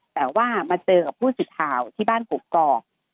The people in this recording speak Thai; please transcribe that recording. แปลว่ามาเจอกับผู้สุดท้าวที่บ้านกบเกาะ